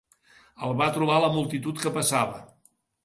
El va trobar la multitud que passava.